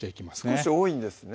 少し多いんですね